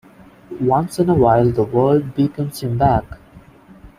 Once in a while the world beckons him back.